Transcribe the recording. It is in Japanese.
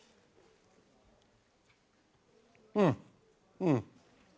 うんうん。